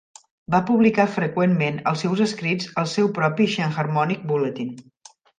Va publicar freqüentment els seus escrits al seu propi "Xenharmonic Bulletin".